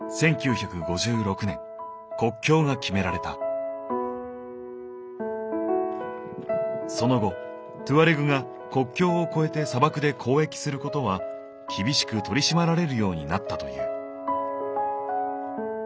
聞けばモロッコがその後トゥアレグが国境を越えて砂漠で交易することは厳しく取り締まられるようになったという。